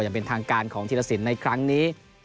อย่างเป็นทางการของธีรสินในครั้งนี้